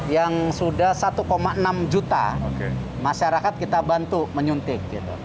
yang sudah satu enam juta masyarakat kita bantu menyuntik